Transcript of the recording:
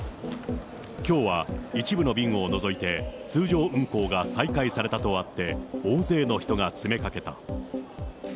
きょうは一部の便を除いて、通常運航が再開されたとあって、大勢の人が詰めかけた。